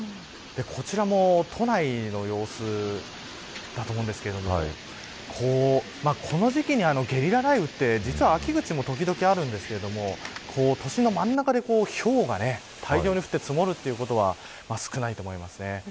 こちらの都内の様子だと思うんですけれどもこの時期にゲリラ雷雨って実は秋口にも時々あるんですけれども都心の真ん中で、ひょうが大量に降って積もるということは少ないと思いますね。